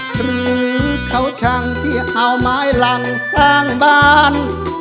หรือเขาช่างที่เอาไม้หลังสร้างบ้าน